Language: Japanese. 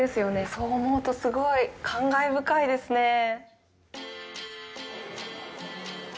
そう思うと、すごい感慨深いですねぇ。